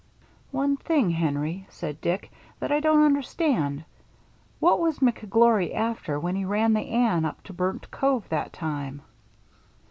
"One thing, Henry," said Dick, "that I don't understand. What was McGlory after when he ran the Anne up to Burnt Cove that time?"